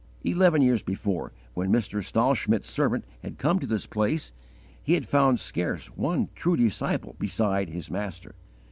Eleven years before, when Mr. Stahlschmidt's servant had come to this place, he had found scarce one true disciple beside his master.